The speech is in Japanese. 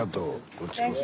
こっちこそ。